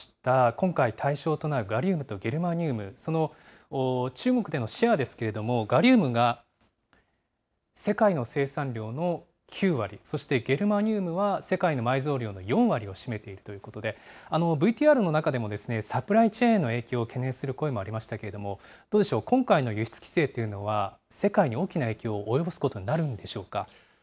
今回対象となるガリウムとゲルマニウム、その中国でのシェアですけれども、ガリウムが世界の生産量の９割、そしてゲルマニウムは世界の埋蔵量の４割を占めているということで、ＶＴＲの中でもサプライチェーンの影響を懸念する声もありましたけれども、どうでしょう、今回の輸出規制というのは、世界に大きな影響を及ぼすことになるんでしょうか。